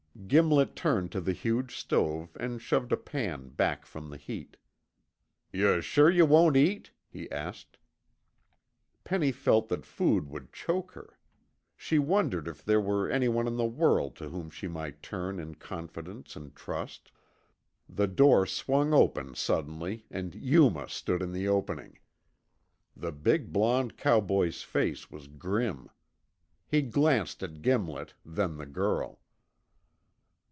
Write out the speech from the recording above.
Gimlet turned to the huge stove and shoved a pan back from the heat. "Yuh sure yuh won't eat?" he asked. Penny felt that food would choke her. She wondered if there were anyone in the world to whom she might turn in confidence and trust. The door swung open suddenly, and Yuma stood in the opening. The big blond cowboy's face was grim. He glanced at Gimlet, then the girl.